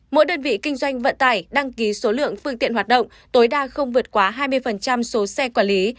mỗi đơn vị kinh doanh vận tải đăng ký số lượng phương tiện hoạt động tối đa không vượt quá hai mươi số xe quản lý